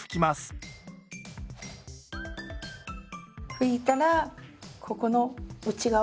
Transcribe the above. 拭いたらここの内側。